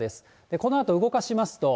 このあと動かしますと。